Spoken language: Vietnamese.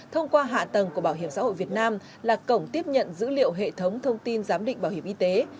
thông qua hạ tầng của bảo hiểm xã hội việt nam là cổng tiếp nhận dữ liệu hệ thống thông tin giám định bảo hiểm y tế